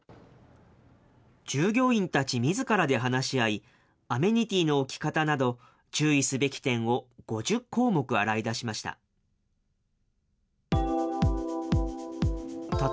従業員たちみずからで話し合い、アメニティーの置き方など、注意すべき点を５０項目洗い出しました。